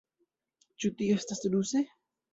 Ĉu tio estas ruse?